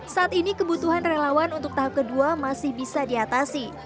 saat ini kebutuhan relawan untuk tahap kedua masih bisa diatasi